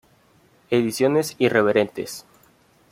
Ediciones Irreverentes.